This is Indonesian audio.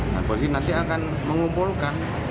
nah polisi nanti akan mengumpulkan